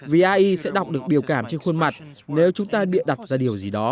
vì ai sẽ đọc được biểu cảm trên khuôn mặt nếu chúng ta bịa đặt ra điều gì đó